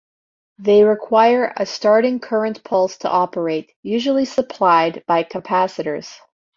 They require a starting current pulse to operate, usually supplied by capacitors.